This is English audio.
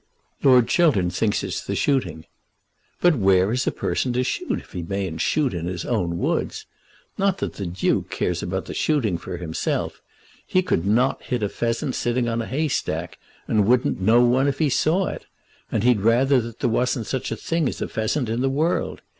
"Lord Chiltern thinks it's the shooting." "But where is a person to shoot if he mayn't shoot in his own woods? Not that the Duke cares about the shooting for himself. He could not hit a pheasant sitting on a haystack, and wouldn't know one if he saw it. And he'd rather that there wasn't such a thing as a pheasant in the world.